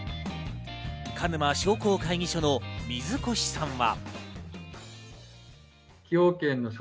鹿沼商工会議所の水越さんは。